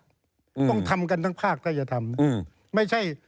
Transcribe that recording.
ต้องทำกันทั้งภาคถ้าจะทำ